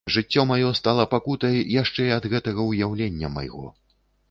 Жыццё маё стала пакутай яшчэ і ад гэтага ўяўлення майго.